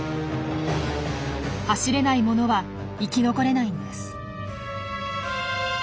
走れないものは生き残れないんです。